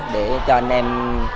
để cho anh em